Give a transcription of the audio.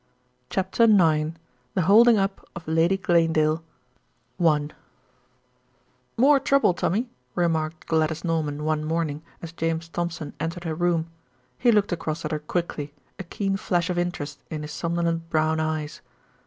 CHAPTER IX THE HOLDING UP OF LADY GLANEDALE I "More trouble, Tommy," remarked Gladys Norman one morning as James Thompson entered her room. He looked across at her quickly, a keen flash of interest in his somnolent brown eyes.